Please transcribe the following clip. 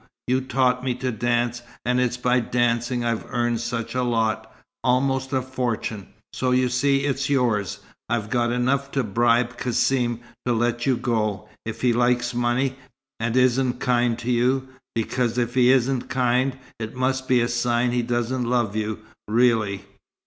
You taught me to dance, and it's by dancing I've earned such a lot almost a fortune. So you see, it's yours. I've got enough to bribe Cassim to let you go, if he likes money, and isn't kind to you. Because, if he isn't kind, it must be a sign he doesn't love you, really."